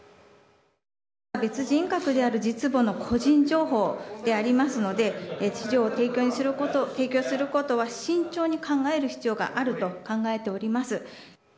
別人格である実母の個人情報でありますので、資料を提供することは慎重に考える必要があると考えております。